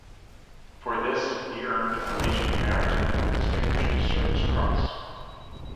For this he earned the Legion of Merit and the Distinguished Service Cross.